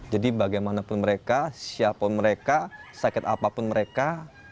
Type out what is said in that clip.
jadi bagaimanapun mereka siapapun mereka sakit apapun mereka